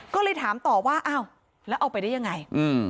ก็เลยถามต่อว่าอ้าวแล้วเอาไปได้ยังไง